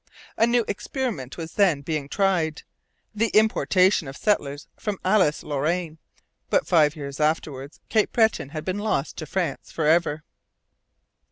A new experiment was then being tried, the importation of settlers from Alsace Lorraine. But five years afterwards Cape Breton had been lost to France for ever.